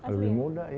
lebih muda ibu